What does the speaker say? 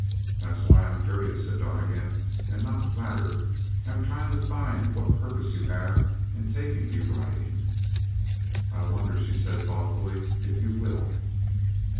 "That's why I'm curious," said Donnegan, "and not flattered. I'm trying to find what purpose you have in taking me riding." "I wonder," she said thoughtfully, "if you will."